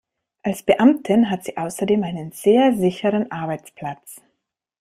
Als Beamtin hat sie außerdem einen sehr sicheren Arbeitsplatz.